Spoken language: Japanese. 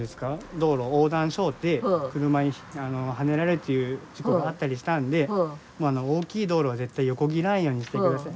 道路横断しょうて車にはねられるという事故があったりしたんで大きい道路は絶対横切らんようにしてください。